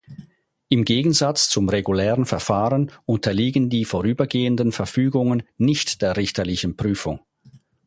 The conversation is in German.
Im Gegensatz zum regulären Verfahren unterliegen die vorübergehenden Verfügungen nicht der richterlichen Prüfung.